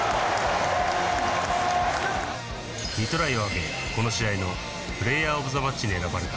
２トライを挙げこの試合のプレイヤー・オブ・ザ・マッチに選ばれた